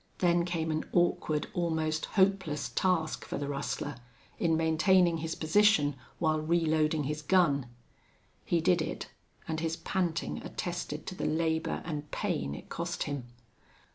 Then came an awkward, almost hopeless task for the rustler, in maintaining his position while reloading his gun. He did it, and his panting attested to the labor and pain it cost him.